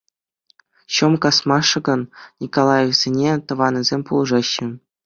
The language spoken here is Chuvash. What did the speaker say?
Ҫӑм касмашӑкн Николаевсене тӑванӗсем пулӑшаҫҫӗ.